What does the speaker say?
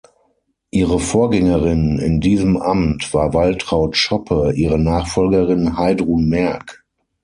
Ihre Vorgängerin in diesem Amt war Waltraud Schoppe, ihre Nachfolgerin Heidrun Merk.